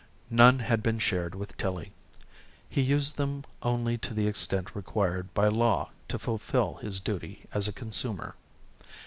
None had been shared with Tillie. He used them only to the extent required by law to fulfill his duty as a consumer.